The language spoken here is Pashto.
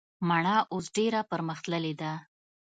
مڼه اوس ډیره پرمختللي ده